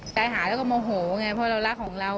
ใจหายแล้วก็โมโหไงเพราะเรารักของเรา